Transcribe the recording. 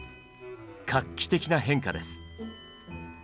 画期的な変化です。